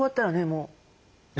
もう。